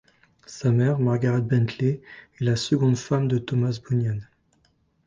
Sa mère Margaret Bentley est la seconde femme de Thomas Bunyan.